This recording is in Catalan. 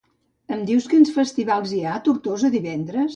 Em dius quins festivals hi ha a Tortosa divendres?